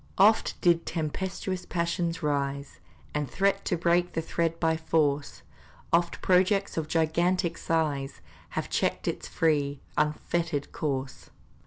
Oft did tempestuous passions rise, And threat to break the thread by force; Oft projects of gigantic size Have checked its free, unfettered course.